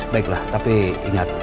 baiklah tapi ingat